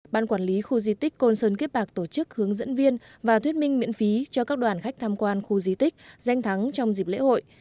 ban quản lý khu di tích côn sơn kiếp bạc tổ chức hướng dẫn viên và thuyết minh miễn phí cho các đoàn khách tham quan khu di tích danh thắng trong dịp lễ hội